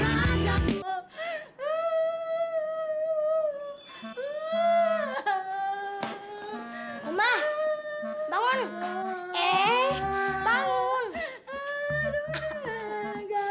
aduh mama gatel